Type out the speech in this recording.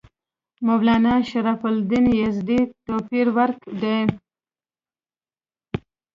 مولنا شرف الدین یزدي توپیر ورک دی.